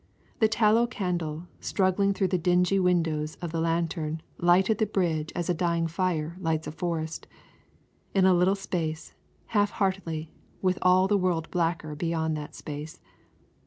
The tallow candle struggling through the dingy windows of the lantern lighted the bridge as a dying fire lights a forest, in a little space, half heartedly, with all the world blacker beyond that space.